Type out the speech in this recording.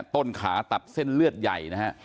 ต้นขาตัดเส้นเลือดใหญ่นะฮะ